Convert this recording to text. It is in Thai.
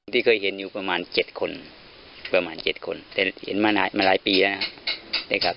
ที่เคยเห็นอยู่ประมาณ๗คนประมาณ๗คนแต่เห็นมาหลายปีแล้วนะครับ